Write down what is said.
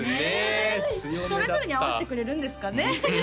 強めだったそれぞれに合わせてくれるんですかね？